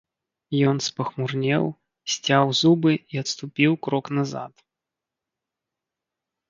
Ён спахмурнеў, сцяў зубы і адступіў крок назад.